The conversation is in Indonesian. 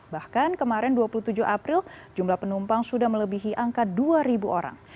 bahkan kemarin dua puluh tujuh april jumlah penumpang sudah melebihi angka dua orang